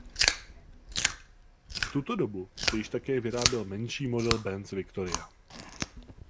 V tuto dobu se již také vyráběl menší model Benz Victoria.